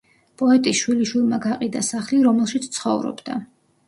პოეტის შვილიშვილმა გაყიდა სახლი რომელშიც ცხოვრობდა.